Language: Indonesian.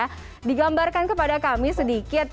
jadi ini juga digambarkan kepada kami sedikit